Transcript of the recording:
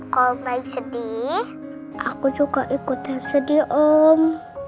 kalau mbak sedih aku juga ikut yang sedih om